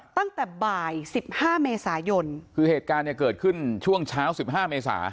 ตั้งแต่บ่าย๑๕เมษายนคือเหตุการณ์เกิดขึ้นช่วงเช้า๑๕เมษา